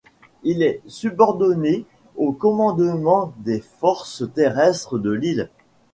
Il est subordonné au commandement des forces terrestres de Lille.